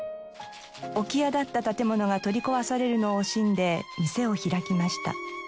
置屋だった建物が取り壊されるのを惜しんで店を開きました。